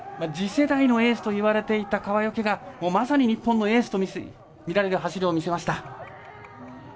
次世代のエースといわれていた川除がまさに日本のエースとみられる走りを見せました。